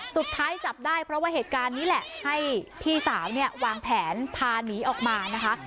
จับได้เพราะว่าเหตุการณ์นี้แหละให้พี่สาวเนี่ยวางแผนพาหนีออกมานะคะ